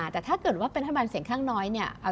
แต่ถ้าเกิดว่าเป็นรัฐบาลเสียงข้างน้อยเนี่ย